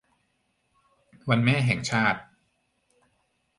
วันแม่แห่งชาติ